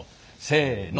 せの。